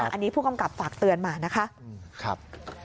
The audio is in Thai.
อันนี้ผู้กำกับฝากเตือนมานะคะ